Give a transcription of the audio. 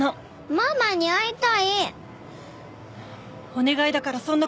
ママに会いたい！